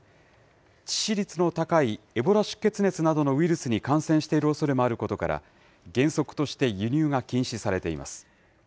致死率の高いエボラ出血などのウイルスに感染しているおそれもあることから、原則として輸入が禁止されています。